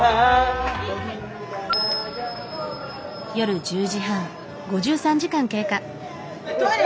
夜１０時半。